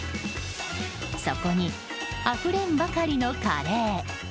そこに、あふれんばかりのカレー。